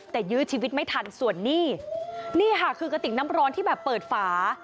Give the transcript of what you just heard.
แต่ยื้อชีวิตไม่ทันส่วนนี่นี่ค่ะคือกระติกน้ำร้อนที่แบบเปิดฝา